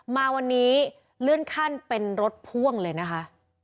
มาวันนี้เลื่อนขั้นเป็นรถพ่วงเลยนะคะ